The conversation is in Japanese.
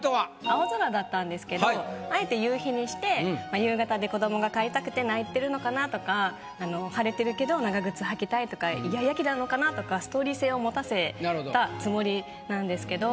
青空だったんですけどあえて夕日にして夕方で子どもが帰りたくて泣いてるのかなとか晴れてるけど長靴履きたいとかイヤイヤ期なのかなとかストーリー性を持たせたつもりなんですけど。